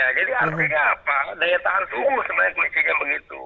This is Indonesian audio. jadi artinya apa daya tahan tubuh sebenarnya kondisinya begitu